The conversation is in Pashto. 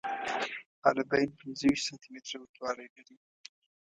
حالبین پنځه ویشت سانتي متره اوږدوالی لري.